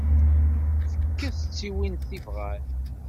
Fket-tt i win i tebɣam.